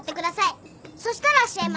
そしたら教えます。